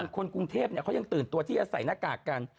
คนกรุงเทพเขายังตื่นตัวที่จะใส่หน้ากากกัน